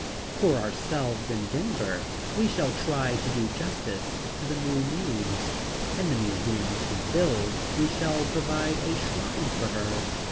For ourselves in Denver, we shall try to do justice to the new Muse. In the museum which we build we shall provide a shrine for her.